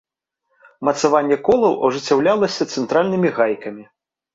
Мацаванне колаў ажыццяўлялася цэнтральнымі гайкамі.